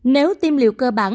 nếu tiêm liều cơ bản